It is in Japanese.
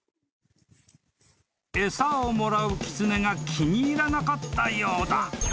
［餌をもらうキツネが気に入らなかったようだ］